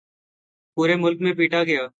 پورے ملک میں پیٹا گیا۔